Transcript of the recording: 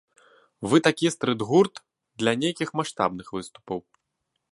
Вы такі стрыт-гурт, для нейкіх маштабных выступаў.